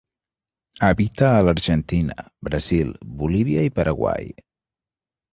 Habita a l'Argentina, Brasil, Bolívia i Paraguai.